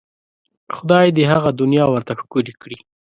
خدای دې یې هغه دنیا ورته ښکلې کړي.